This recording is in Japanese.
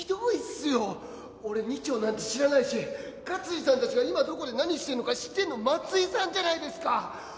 俺二丁なんて知らないし勝次さんたちが今どこで何してるのか知ってるのは松井さんじゃないですか！